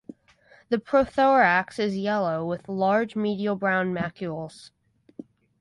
The prothorax is yellow with large medial brown macules.